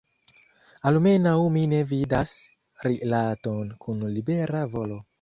Almenaŭ mi ne vidas rilaton kun libera volo.